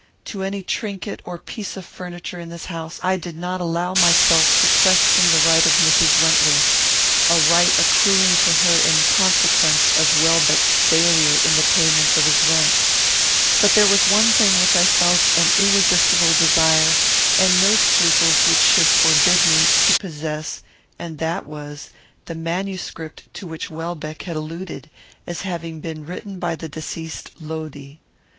To any trinket or piece of furniture in this house I did not allow myself to question the right of Mrs. Wentworth; a right accruing to her in consequence of Welbeck's failure in the payment of his rent; but there was one thing which I felt an irresistible desire, and no scruples which should forbid me, to possess, and that was, the manuscript to which Welbeck had alluded, as having been written by the deceased Lodi.